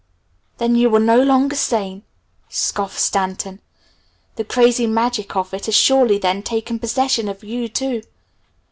"Then you're no longer sane," scoffed Stanton. "The crazy magic of it has surely then taken possession of you too.